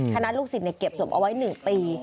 ธนัดลูกศิษย์เนี่ยเก็บศพเอาไว้๑ปี